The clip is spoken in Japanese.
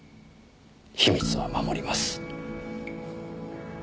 秘密は守ります。